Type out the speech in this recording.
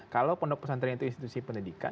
kalau pondok pesantren itu institusi pendidikan